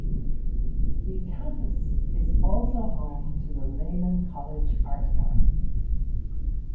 The campus is also home to the Lehman College Art Gallery.